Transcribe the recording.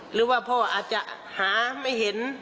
หรือว่าพ่ออาจจะหาไม่เห็น